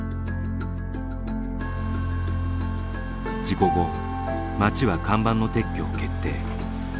事故後町は看板の撤去を決定。